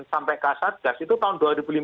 sampai ksatgas itu tahun dua ribu lima belas